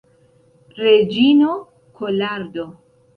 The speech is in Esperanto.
Reĝino Kolardo!